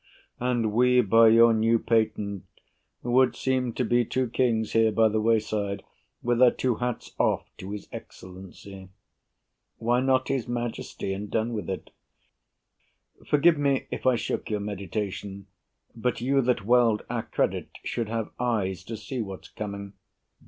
And we, by your new patent, Would seem to be two kings here by the wayside, With our two hats off to his Excellency. Why not his Majesty, and done with it? Forgive me if I shook your meditation, But you that weld our credit should have eyes To see what's coming.